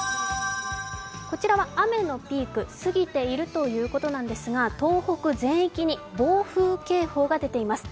こちらは雨のピーク過ぎているということなんですが東北全域に暴風警報が出ています。